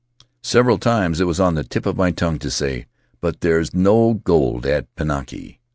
Several times it was on the tip of my tongue to sav, "But there's no gold at Pinaki."